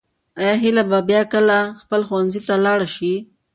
آیا هیله به بیا کله خپل ښوونځي ته لاړه شي؟